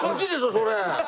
それ。